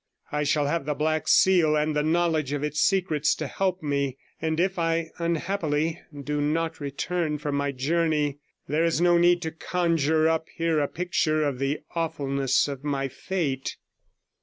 I shall have the Black Seal and the knowledge of its secrets to help me, and if I unhappily do not return from my journey, there is no need to conjure up here a picture of the awfulness of my fate.